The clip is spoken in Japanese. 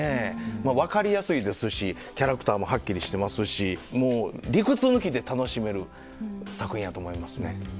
まあ分かりやすいですしキャラクターもはっきりしてますしもう理屈抜きで楽しめる作品やと思いますね。